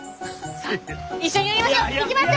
さあ一緒にやりましょういきます